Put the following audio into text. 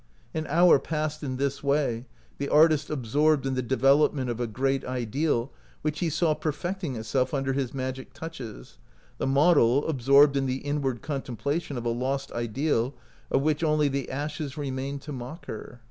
An hour passed in this way — the artist absorbed in the development of a great ideal which he saw perfecting itself under his magic touches; the model ab sorbed in the inward contemplation of a lost ideal of which only the ashes remained to mock her.